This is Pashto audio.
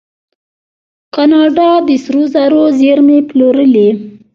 کاناډا د سرو زرو زیرمې پلورلي.